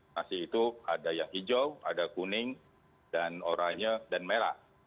nasi itu ada yang hijau ada kuning dan oranye dan merah